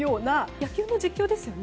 野球の実況ですよね。